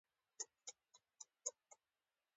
ملک صاحب یې د زوی په واده باندې ښه ټنگ ټکور جوړ کړی و.